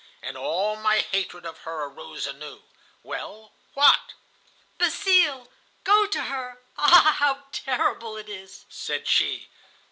"And all my hatred of her arose anew. "Well, what? "'Basile, go to her! Ah! how terrible it is!' said she.